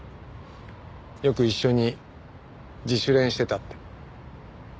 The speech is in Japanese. よく一緒に自主練してたって。